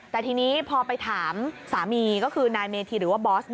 แต่ทีนี้พอไปถามสามีก็คือนายเมธีหรือว่าบอส